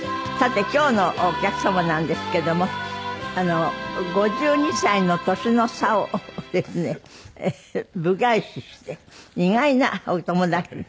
さて今日のお客様なんですけども５２歳の年の差をですね度外視して意外なお友達。